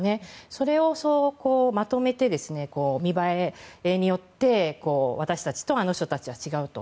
それをまとめて、見栄えによって私たちとあの人たちは違うと。